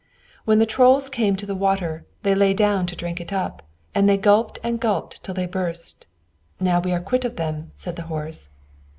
When the Trolls came to the water they lay down to drink it all up, and they gulped and gulped till they burst. "Now we are quit of them," said the horse.